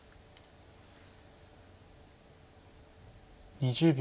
２０秒。